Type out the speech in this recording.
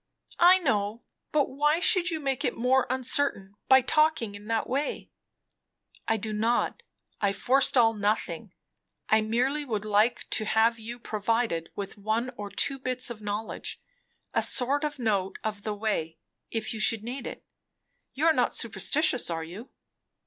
"I know it; but why should you make it more uncertain by talking in that way?" "I do not. I forestall nothing. I merely would like to have you provided with one or two bits of knowledge; a sort of note of the way, if you should need it. You are not superstitious, are you?"